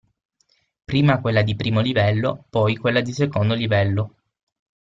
Prima quella di I° livello, poi quella di II° livello).